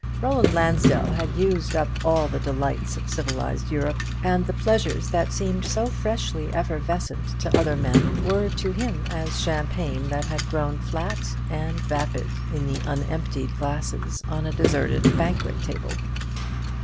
Roland Lansdell had used up all the delights of civilized Europe; and the pleasures that seemed so freshly effervescent to other men were to him as champagne that has grown flat and vapid in the unemptied glasses on a deserted banquet table.